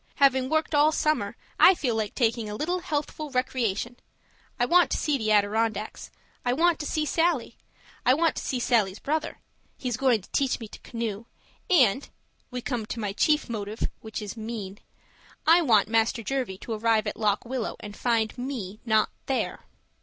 Having worked all summer, I feel like taking a little healthful recreation; I want to see the Adirondacks; I want to see Sallie; I want to see Sallie's brother he's going to teach me to canoe and (we come to my chief motive, which is mean) I want Master Jervie to arrive at Lock Willow and find me not there.